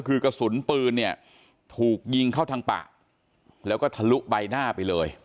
คือกระสุนปืนเนี่ยถูกยิงเข้าทางปากแล้วก็ทะลุใบหน้าไปเลย